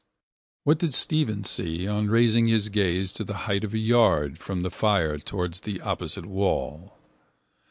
What did Stephen see on raising his gaze to the height of a yard from the fire towards the opposite wall?